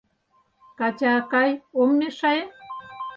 — Катя акай, ом мешае?